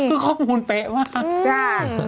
คือข้อมูลเป๊ะมากจ้า